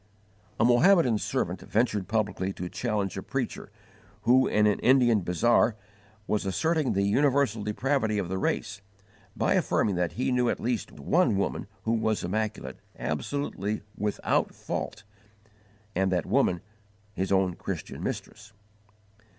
A Mohammedan servant ventured publicly to challenge a preacher who, in an Indian bazaar, was asserting the universal depravity of the race, by affirming that he knew at least one woman who was immaculate, absolutely without fault, and that woman, his own Christian mistress.